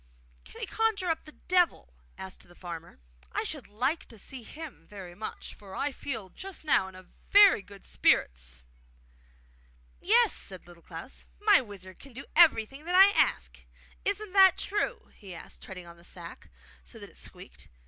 'Can he conjure up the Devil?' asked the farmer. 'I should like to see him very much, for I feel just now in very good spirits!' 'Yes,' said Little Klaus; 'my wizard can do everything that I ask. Isn't that true?' he asked, treading on the sack so that it squeaked.